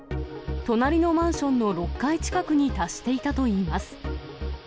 隣のマンションの６階近くに達していたといいます。